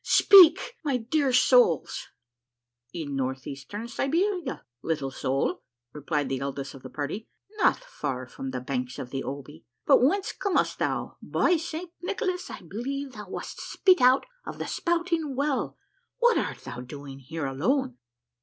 Speak I dear souls I "" In north eastern Siberia, little soul," replied the eldest of the party, " not far from the banks of the Obi ; but whence comest thou ? By Saint Nicholas, I believe thou wast spit out of the spouting well I What art thou doing here alone?"